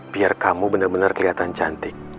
biar kamu bener bener kelihatan cantik